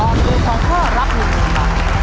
ออกเงินของข้อรับ๑บาท